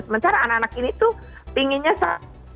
sementara anak anak ini tuh pinginnya